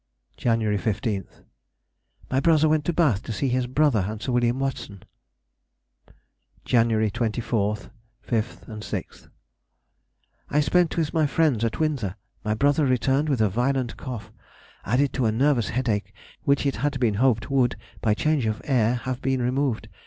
January 15th.—My brother went to Bath to see his brother and Sir Wm. Watson. January 24th, 5th, and 6th.—I spent with my friends at Windsor. My brother returned with a violent cough, added to a nervous headache which it had been hoped would, by change of air, have been removed.